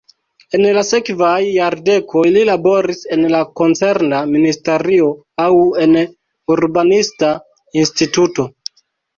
En la sekvaj jardekoj li laboris en la koncerna ministerio aŭ en urbanista instituto.